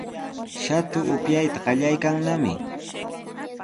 Shatu upyayta qallaykannami.